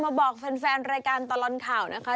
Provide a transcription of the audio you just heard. บอกแฟนรายการตลอดข่าวนะคะ